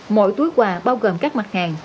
mỗi túi quà bao gồm các mặt hàng